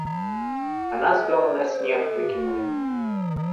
А нас з дому на снег выкінулі.